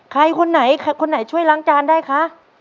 ใครคนไหนคนไหนช่วยล้างจานได้คะ